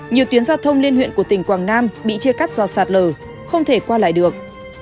nhiều tuyến giao thông liên huyện của tỉnh quảng nam bị chia cắt do sạt lở không thể qua lại được